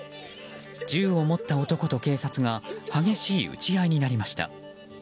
銃を持った男と警察が激しい撃ち合いになりました。